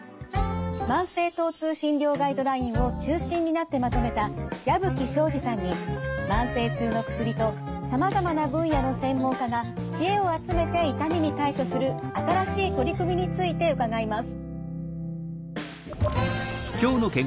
慢性疼痛診療ガイドラインを中心になってまとめた矢吹省司さんに慢性痛の薬とさまざまな分野の専門家が知恵を集めて痛みに対処する新しい取り組みについて伺います。